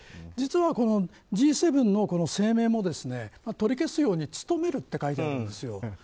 実は、Ｇ７の声明も取り消すように努めるって書いてあるんですよ。